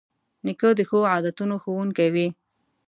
نیکه د ښو عادتونو ښوونکی وي.